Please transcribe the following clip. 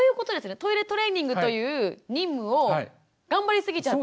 トイレトレーニングという任務を頑張りすぎちゃって。